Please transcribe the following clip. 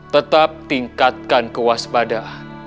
tetap tingkatkan kewaspadaanmu